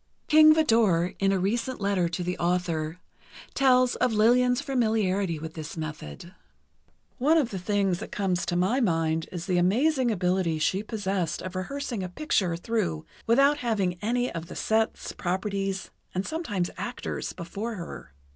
King Vidor, in a recent letter to the author, tells of Lillian's familiarity with this method: One of the things that comes to my mind is the amazing ability she possessed of rehearsing a picture through without having any of the sets, properties, and sometimes actors, before her.